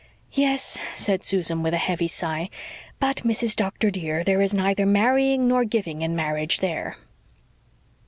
"Yes," said Susan with a heavy sigh, "but, Mrs. Doctor, dear, there is neither marrying nor giving in marriage there."